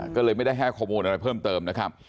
ก็เลยไม่ได้แฮล์โคโมนอะไรเพิ่มเติมนะครับ